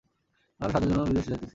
আমি আরও সাহায্যের জন্য বিদেশ যাইতেছি।